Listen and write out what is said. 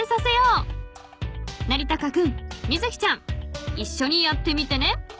［なりたかくんみずきちゃんいっしょにやってみてね］